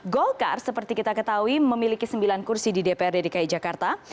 golkar seperti kita ketahui memiliki sembilan kursi di dprd dki jakarta